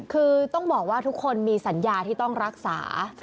คือต้องบอกว่าทุกคนมีสัญญาที่ต้องรักษา